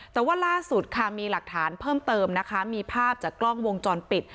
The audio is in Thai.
แต่ว่าล่าสุดค่ะมีหลักฐานเพิ่มเติมนะคะมีภาพจากกล้องวงจรปิด